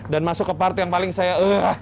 dan masuk ke part yang paling saya